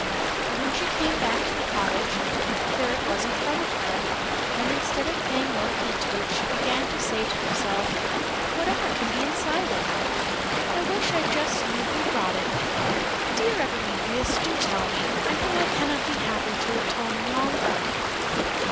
But when she came back to the cottage, there it was in front of her, and instead of paying no heed to it, she began to say to herself: "Whatever can be inside it? I wish I just knew who brought it! Dear Epimetheus, do tell me; I know I cannot be happy till you tell me all about it."